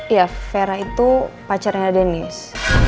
ya vera itu pacarnya deniz